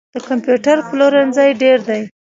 د کمپیوټر پلورنځي ډیر دي